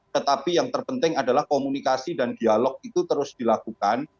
tetapi yang terpenting adalah komunikasi dan dialog itu terus dilakukan